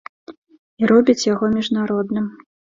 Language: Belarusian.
І робіць яго міжнародным.